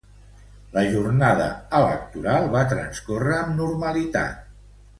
La jornada electoral va transcórrer amb normalitat.